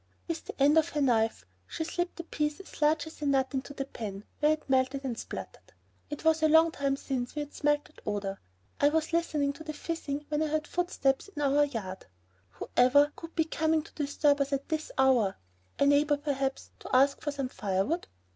With the end of her knife she slipped a piece as large as a nut into the pan, where it melted and spluttered. It was a long time since we had smelled that odor. How good that butter smelled! I was listening to it fizzing when I heard footsteps out in our yard. Whoever could be coming to disturb us at this hour? A neighbor perhaps to ask for some firewood.